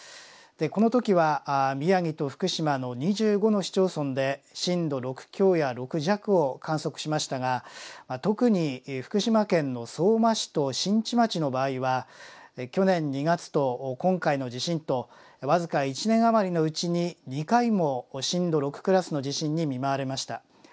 この時は宮城と福島の２５の市町村で震度６強や６弱を観測しましたが特に福島県の相馬市と新地町の場合は去年２月と今回の地震と僅か１年余りのうちに２回も震度６クラスの地震に見舞われました。